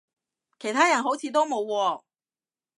其他人好似都冇喎